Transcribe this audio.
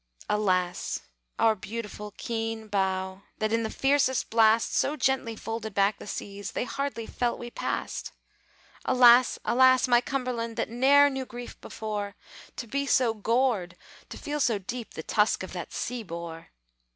Alas! our beautiful, keen bow, That in the fiercest blast So gently folded back the seas, They hardly felt we passed! Alas! Alas! My Cumberland, That ne'er knew grief before, To be so gored, to feel so deep The tusk of that sea boar!